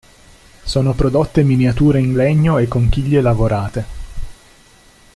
Sono prodotte miniature in legno e conchiglie lavorate.